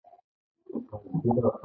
یوه لنډه نمره یې ډایل کړه .